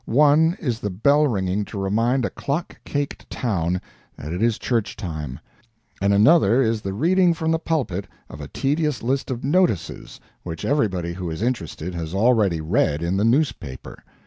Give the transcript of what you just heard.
One is the bell ringing to remind a clock caked town that it is church time, and another is the reading from the pulpit of a tedious list of "notices" which everybody who is interested has already read in the newspaper.